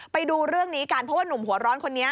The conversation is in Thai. ไปดูเรื่องนี้กันเพราะว่านุ่มหัวร้อนคนนี้